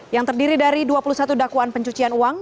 yang terdiri dari dua puluh satu dakwaan pencucian uang